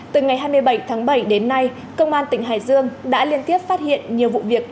từ ngày hai mươi bảy tháng bảy đến nay công an tỉnh hải dương đã liên tiếp phát hiện nhiều vụ việc